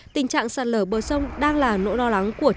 tình trạng sạt lở bờ sông đang là nỗi lo lắng của người